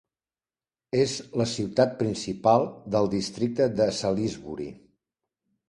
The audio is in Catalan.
És la ciutat principal del districte de Salisbury.